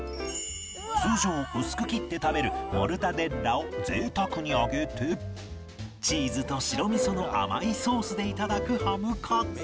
通常薄く切って食べるモルタデッラを贅沢に揚げてチーズと白味噌の甘いソースで頂くハムカツ